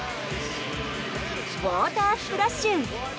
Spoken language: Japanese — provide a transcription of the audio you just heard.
ウォータースプラッシュ！